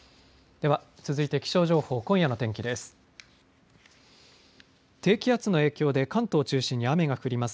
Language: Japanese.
では続いて気象情報、今夜の天気です。